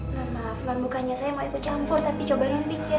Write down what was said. maaf maaf bukannya saya mau ikut campur tapi coba rindu pikirin